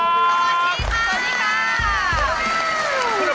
สวัสดีค่ะ